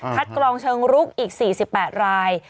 กรองเชิงรุกอีก๔๘ราย